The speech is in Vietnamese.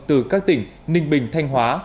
từ các tỉnh ninh bình thanh hóa